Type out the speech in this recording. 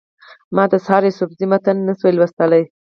ما د سحر یوسفزي متن نه شو لوستلی.